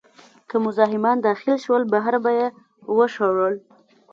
که مزاحمان داخل شول، بهر به یې وشړل.